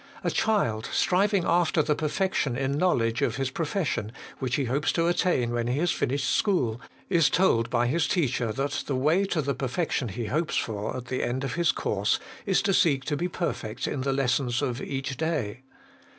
A child striving after the perfection in knowledge of his profession, which he hopes to attain when he has finished school, is told by his teacher that the way to the perfection he hopes for at the end of his course is to seek to be perfect in the lessons of each day.